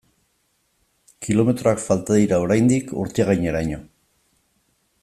Kilometroak falta dira oraindik Urtiagaineraino.